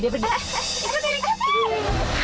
itu diri kita